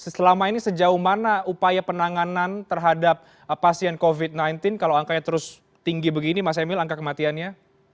selama ini sejauh mana upaya penanganan terhadap pasien covid sembilan belas kalau angkanya terus tinggi begini mas emil angka kematiannya